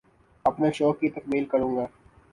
اپنے شوق کی تکمیل کروں گی